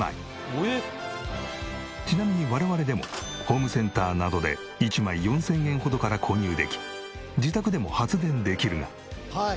ちなみに我々でもホームセンターなどで１枚４０００円ほどから購入でき自宅でも発電できるが。